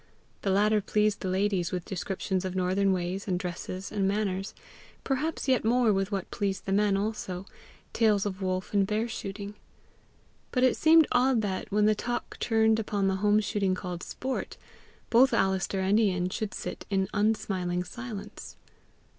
The latter pleased the ladies with descriptions of northern ways and dresses and manners perhaps yet more with what pleased the men also, tales of wolf and bear shooting. But it seemed odd that, when the talk turned upon the home shooting called sport, both Alister and Ian should sit in unsmiling silence.